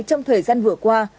trong thời gian vừa qua